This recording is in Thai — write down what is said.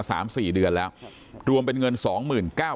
ท่านดูเหตุการณ์ก่อนนะครับ